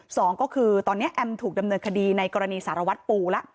สองก็คือตอนนี้แอมถูกดำเนินคดีในกรณีสารวัตรปูแล้ว